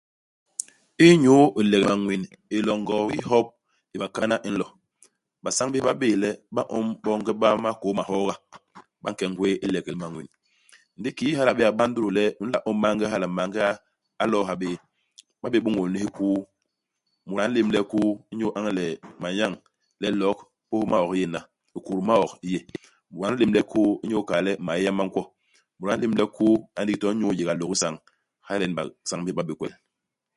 Inyu ilegel manwin, ilo ngobi-hop i bakana i nlo, basañ bés ba bé'é le ba ñom boonge ba makôô mahooga, ba nke ngwéé ilegel manwin. Ndi kiki hala a bé'é a ba ndutu le u nla om maange hala, maange a a lo'o ha bé, ba bé bôñôl ni hikuu. Mut a nlémle hikuu, inyu iañle manyañ le lok, pos i maok i yé hana, hikut hi maok hi yé. Mut a nlémle hikuu inyu ikal le maéa ma nkwo. Mut a nlémle hikuu nga ndigi to inyu iyéga lôk-isañ. Hala nyen basañ bés ba bé kwel.